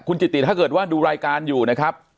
จิติถ้าเกิดว่าดูรายการอยู่นะครับ